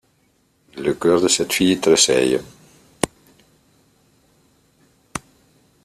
Le cœur de cette fille tressaille.